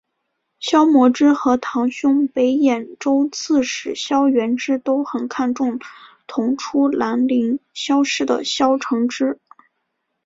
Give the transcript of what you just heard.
萧摹之和堂兄北兖州刺史萧源之都很看重同出兰陵萧氏的萧承之。